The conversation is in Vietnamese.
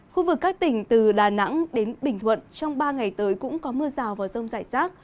khu vực các tỉnh từ đà nẵng đến bình thuận trong ba ngày tới cũng có mưa rào và rông rải rác